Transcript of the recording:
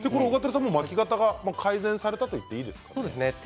巻き肩が改善されたと言っていいですか？